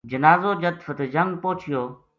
جنازو جد فتح جنگ پوہچیو